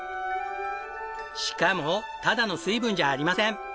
しかもただの水分じゃありません。